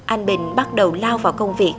anh bình bắt đầu lao vào công việc